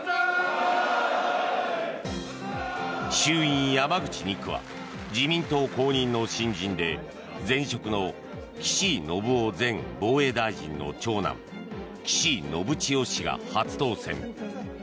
衆院山口２区は自民党公認の新人で前職の岸信夫前防衛大臣の長男岸信千世氏が初当選。